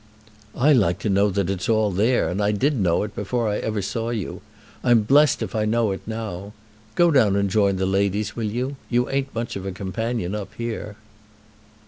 "I like to know that it's all there, and I did know it before I ever saw you. I'm blessed if I know it now. Go down and join the ladies, will you? You ain't much of a companion up here."